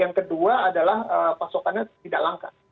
yang kedua adalah pasokannya tidak langka